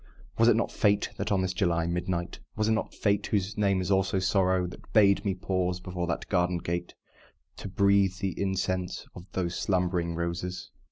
Was it not Fate, that, on this July midnight Was it not Fate, (whose name is also Sorrow,) That bade me pause before that garden gate, To breathe the incense of those slumbering roses?